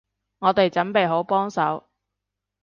我哋準備好幫手